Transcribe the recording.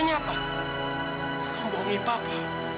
kamu bercanda dengan papa